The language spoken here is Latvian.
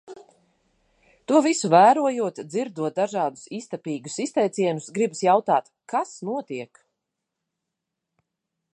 To visu vērojot, dzirdot dažādus iztapīgus izteicienus, gribas jautāt: kas notiek?